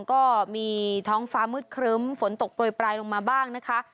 ก็มีท้องฟ้ามืดครึ้มฝนตกโปรยปลายลงมาบ้างนะคะ